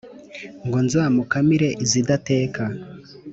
ngo nzamukamire izidateka